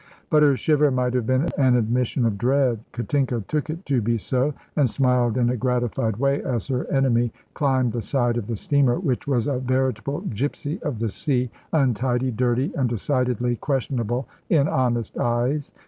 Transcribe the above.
But her shiver might have been an admission of dread. Katinka took it to be so, and smiled in a gratified way as her enemy climbed the side of the steamer, which was a veritable gypsy of the sea, untidy, dirty, and decidedly questionable in honest eyes.